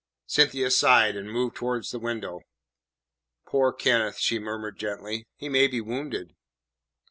Cynthia sighed, and moved towards the window. "Poor Kenneth," she murmured gently. "He may be wounded."